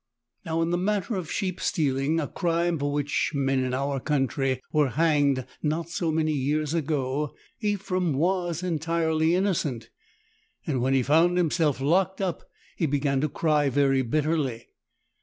Now in the matter of sheep stealing — a crime for which men in our own country were hanged not so many years ago — Ephrem was entirely innocent, and when he found himself locked up he began to cry very bitterly.